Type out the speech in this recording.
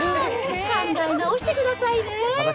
考え直してくださいね。